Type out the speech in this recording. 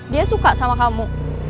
dia suka sama kamu